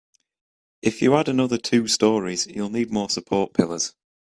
If you add another two storeys, you'll need more support pillars.